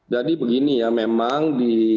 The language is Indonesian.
jadi begini ya memang di